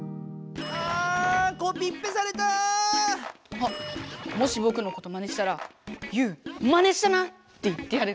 あっもしぼくのことマネしたら「ユーマネしたな！」って言ってやる。